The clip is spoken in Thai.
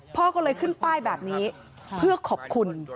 พ่อก็เลยขึ้นป้ายแบบนี้เพื่อขอบคุณ